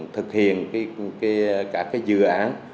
thực hiện cả các dự án